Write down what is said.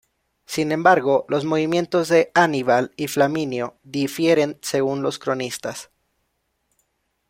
Sin embargo, los movimientos de Aníbal y Flaminio difieren según los cronistas.